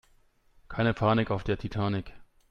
Keine Panik auf der Titanic!